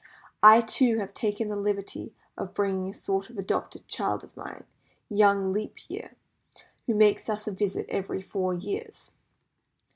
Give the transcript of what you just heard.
I, too, have taken the liberty of bringing a sort of adopted child of mine, young Leap Year, who makes us a visit every four years."